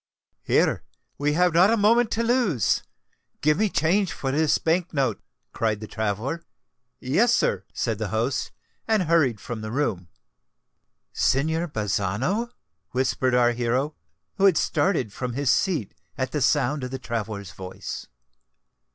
"Here—we have not a moment to lose—give me change for this bank note," cried the traveller. "Yes, sir," said the host, and hurried from the room. "Signor Bazzano," whispered our hero, who had started from his seat at the sound of the traveller's voice.